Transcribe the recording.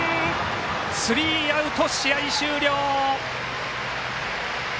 スリーアウト、試合終了！